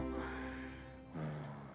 うん。